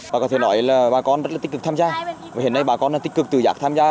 và có thể nói là bà con rất là tích cực tham gia và hiện nay bà con tích cực tự giác tham gia